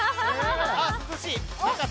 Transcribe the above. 涼しい。